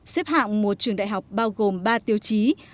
xếp hạng một trường đại học bao gồm ba tiêu chí